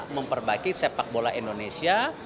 memperbaiki sepak bola indonesia